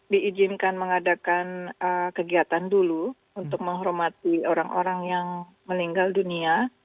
diizinkan mengadakan kegiatan dulu untuk menghormati orang orang yang meninggal dunia